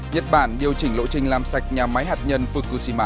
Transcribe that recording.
nhật bản điều chỉnh lộ trình làm sạch nhà máy hạt nhân fukushima